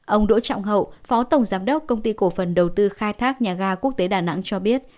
ông đỗ trọng hậu phó tổng giám đốc công ty cổ phần đầu tư khai thác nhà ga quốc tế đà nẵng cho biết